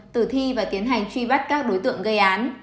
tử thi và tiến hành truy bắt các đối tượng gây án